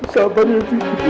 sabar ya buahji